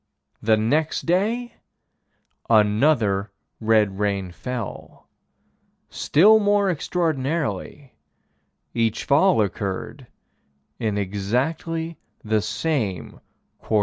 The next day another red rain fell. Still more extraordinarily: Each fall occurred in "exactly the same quarter of town."